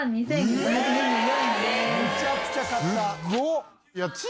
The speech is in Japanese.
めちゃくちゃ買った！